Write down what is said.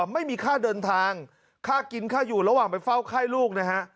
ไม่มีค่าเดินทางค่ากินค่าอยู่ระหว่างไปเฝ้าไข้ลูกนะฮะ